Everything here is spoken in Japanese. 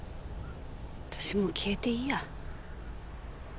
私もう消えていいや。